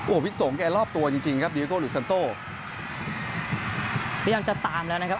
วิทย์สงแกรอบตัวจริงจริงครับดีโก้หรือซันโต้พยายามจะตามแล้วนะครับ